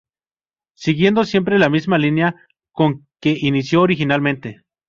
Siguiendo siempre la misma línea con que inició originalmente.